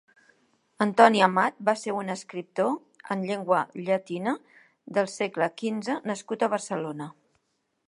Antoni Amat va ser un escriptor en llengua llatina del segle quinze nascut a Barcelona.